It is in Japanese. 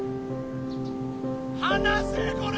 放せこら。